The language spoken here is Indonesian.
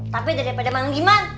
tapi daripada memang gimana